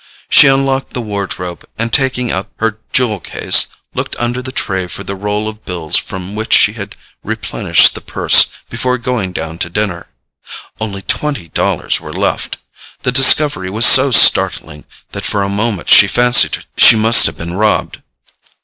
She unlocked the wardrobe, and taking out her jewel case, looked under the tray for the roll of bills from which she had replenished the purse before going down to dinner. Only twenty dollars were left: the discovery was so startling that for a moment she fancied she must have been robbed.